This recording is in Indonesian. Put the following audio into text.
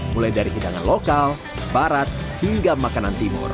mulai dari hidangan lokal barat hingga makanan timur